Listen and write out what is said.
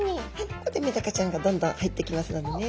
こうやってメダカちゃんがどんどん入ってきますのでね。